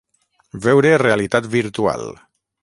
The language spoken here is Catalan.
Veure realitat virtual.